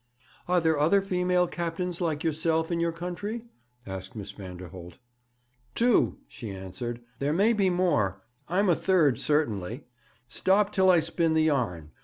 'Are there other female captains like yourself in your country?' asked Miss Vanderholt. 'Two,' she answered; 'there may be more. I'm a third, certainly. Stop till I spin the yarn.